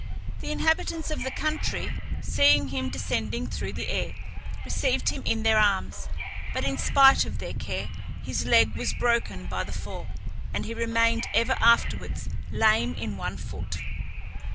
The inhabitants of the country, seeing him descending through the air, received him in their arms; but in spite of their care, his leg was broken by the fall, and he remained ever afterwards lame in one foot.